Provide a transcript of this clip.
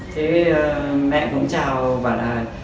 thế mẹ cũng chào bảo là